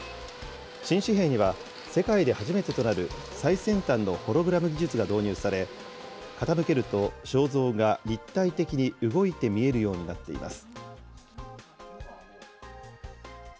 新紙幣には、世界で初めてとなる最先端のホログラム技術が導入され、傾けると肖像が立体的に動いて見えるようになっています。